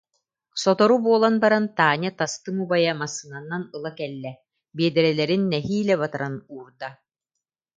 Сотору буолан баран, Таня тастыҥ убайа массыынанан ыла кэллэ, биэдэрэлэрин нэһиилэ батаран уурда